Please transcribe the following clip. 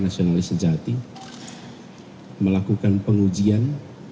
nasionalis sejati melakukan pengujian